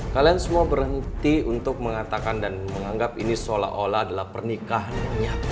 kalian semua berhenti untuk mengatakan dan menganggap ini seolah olah adalah pernikahan yang nyata